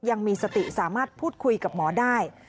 ยังมีสติสามารถพูดคุยกับหมอได้